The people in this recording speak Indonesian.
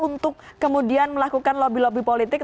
untuk kemudian melakukan lobby lobby politik